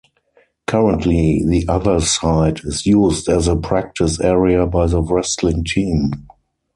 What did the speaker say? Currently the other side is used as a practice area by the wrestling team.